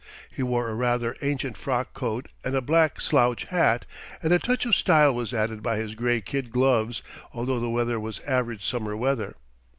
He wore a rather ancient frock coat and a black slouch hat, and a touch of style was added by his gray kid gloves, although the weather was average summer weather.